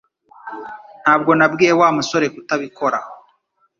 Ntabwo nabwiye Wa musore kutabikora